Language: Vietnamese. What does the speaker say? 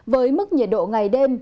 với mức nhiệt độ ngày đêm